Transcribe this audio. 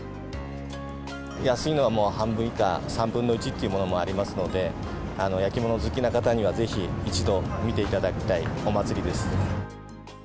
安いのはもう半分以下、３分の１っていうものもありますので、焼き物好きな方にはぜひ一度、見ていただきたいお祭りです。